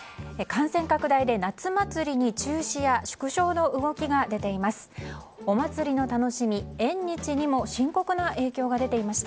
感染拡大で夏祭りに中止や縮小の動きが出ています。